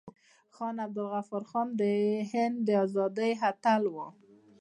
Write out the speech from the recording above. خان عبدالغفار خان د هند د ازادۍ اتل و.